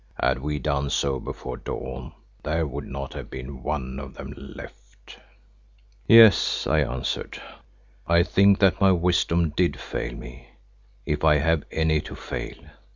Had we done so, before the dawn there would not have been one of them left." "Yes," I answered, "I think that my wisdom did fail me, if I have any to fail.